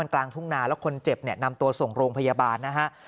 กลางทุ่งนาแล้วคนเจ็บเนี่ยนำตัวส่งโรงพยาบาลนะฮะ